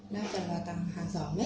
đa phần là tầng hàng giỏm ấy